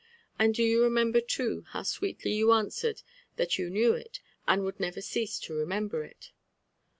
And do you re member, too, how sweetly you answered that you knew it, and would never cease to remember it?"